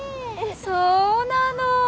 そうなの。